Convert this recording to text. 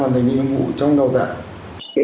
người ta hoàn thành nhiệm vụ trong đào tạo